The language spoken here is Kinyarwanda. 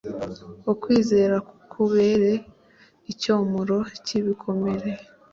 ukwizera kukubere icyomoro cy’ibikomere